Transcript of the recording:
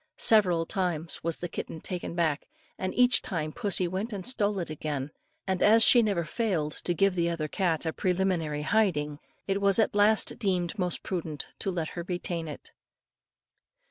Several times was the kitten taken back, and each time pussy went and stole it again; and as she never failed to give the other cat a preliminary hiding, it was at last deemed most prudent to let her retain it.